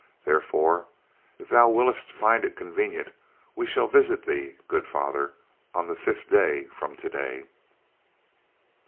Therefore, if thou wilst find it convenient, we shall visit thee, good father, on the fifth day from today."